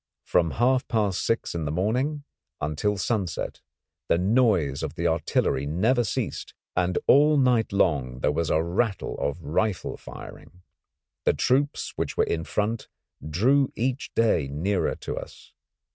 From half past six in the morning until sunset the noise of the artillery never ceased, and all night long there was a rattle of rifle firing. The troops which were in front drew each day nearer to us.